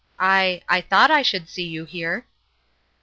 " I I thought I should see you here."